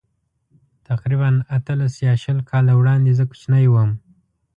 تقریباً اتلس یا شل کاله وړاندې زه کوچنی وم.